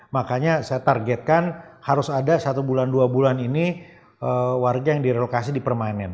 makanya saya targetkan harus ada satu bulan dua bulan ini warga yang direlokasi di permanen